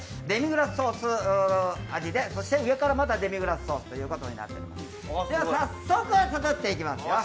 デミグラスソース味で上からまたデミグラスソースということになっております。